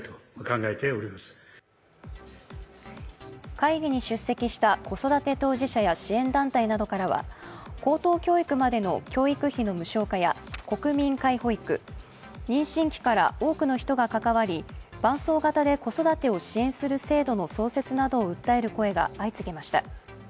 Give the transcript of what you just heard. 会議に出席した子育て当事者や支援団体などからは高等教育までの教育費の無償化や国民皆保育、妊娠期から多くの人が関わり伴走型で子育てを支援する制度の創設などを訴える声が相次ぎました。